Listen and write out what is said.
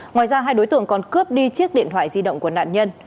ngoài ra hai đối tượng còn cướp đi chiếc điện thoại di động của nạn nhân